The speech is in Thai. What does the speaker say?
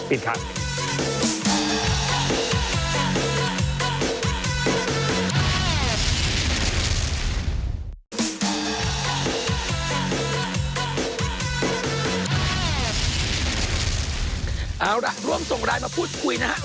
เอาล่ะร่วมส่งรายมาพูดคุยนะครับ